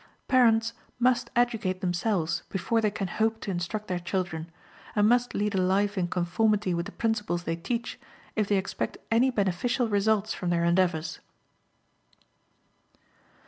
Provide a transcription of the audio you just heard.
Parents must educate themselves before they can hope to instruct their children, and must lead a life in conformity with the principles they teach, if they expect any beneficial results from their endeavors.